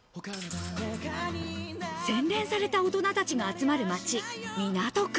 洗練された大人たちが集まる街・港区。